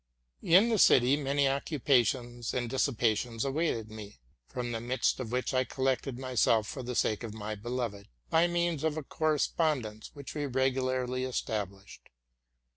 In the city many occupations and dissipations awaited me, from the midst of which I collected myself for the sake of my beloved, by means of a correspondence, which we regularly established.